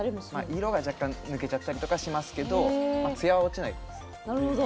色が若干抜けちゃったりとかはしますけどつやは落ちない。